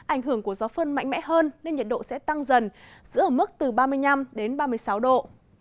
ảnh hưởng của gió phơn mạnh mẽ hơn nên nhiệt độ sẽ tăng dần giữa mức từ ba mươi năm ba mươi sáu độ